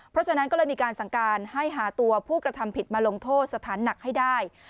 เพราะฉะนั้นก็เลยมีการสั่งการให้หาตัวผู้กระทำผิดมาลงโทษสถานหนักให้ได้